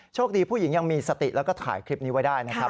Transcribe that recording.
โชคดีผู้หญิงยังมีสติแล้วก็ถ่ายคลิปนี้ไว้ได้นะครับ